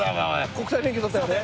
国際免許取ったよね？